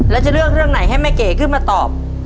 แล้วจะเลือกเรื่องไหนให้แม่เก๋ขึ้นมาตอบ